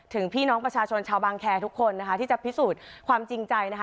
พี่น้องประชาชนชาวบางแคร์ทุกคนนะคะที่จะพิสูจน์ความจริงใจนะคะ